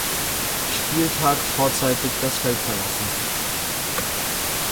Spieltag vorzeitig das Feld verlassen.